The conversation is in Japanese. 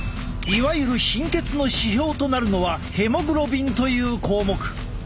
いわゆる貧血の指標となるのはヘモグロビンという項目。